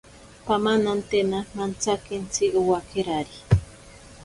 Pamanantena mantsakintsi owakerari.